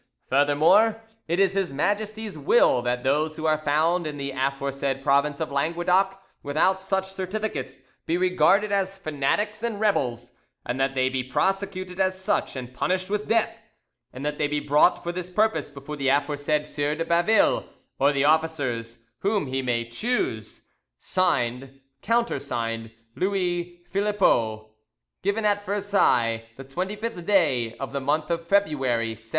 Furthermore, it is His Majesty's will that those who are found in the, aforesaid province of Languedoc without such certificates be regarded as fanatics and rebels, and that they be prosecuted as such, and punished with death, and that they be brought for this purpose before the aforesaid Sieur de Baville or the officers whom he may choose. "(Signed) "(Countersigned) "LOUIS PHILIPPEAU "Given at Versailles the 25th day, of the month of February 1703."